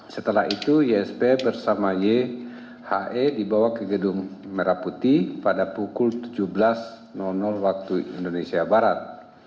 setelah itu ysp bersama yhe dibawa ke gedung merah putih pada pukul tujuh belas waktu indonesia barat